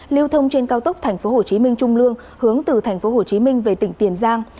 lưu thông trên cao tốc tp hcm trung lương hướng từ tp hcm về tỉnh tiền giang